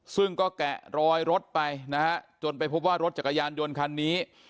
ซึ่งก็แกะรอยรถไปนะฮะจนไปพบว่ารถจักรยานยนต์คันนี้